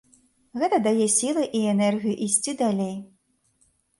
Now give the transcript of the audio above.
Гэта дае сілы і энергію ісці далей.